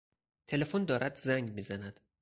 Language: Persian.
تلفن دارد زنگ میزند.